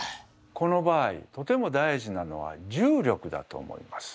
この場合とても大事なのは重力だと思います。